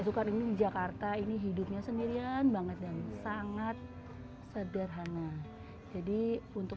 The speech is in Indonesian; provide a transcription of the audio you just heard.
sukar ini jakarta ini hidupnya sendirian banget dan sangat sederhana jadi untuk